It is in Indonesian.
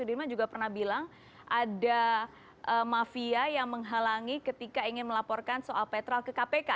sudirman juga pernah bilang ada mafia yang menghalangi ketika ingin melaporkan soal petrol ke kpk